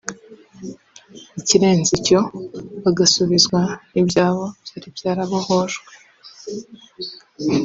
ikirenze icyo bagasubizwa n’ibyabo byari byarabohojwe